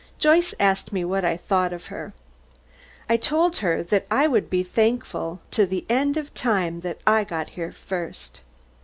Joyce asked me what I thought of her. I told her that I would be thankful to the end of time that I got here first.